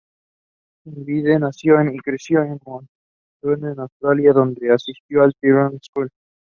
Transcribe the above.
There is also an Anganwadi.